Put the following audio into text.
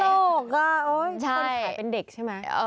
ต้นโลกอ่ะคนขายเป็นเด็กใช่ไหม